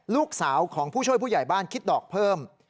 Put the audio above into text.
ลูกสาวของผู้ช่วยผู้ใหญ่บ้านคิดดอกเพิ่ม